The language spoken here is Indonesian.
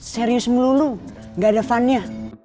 serius melulu gak ada funnya